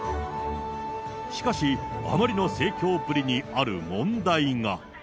しかし、あまりの盛況ぶりに、ある問題が。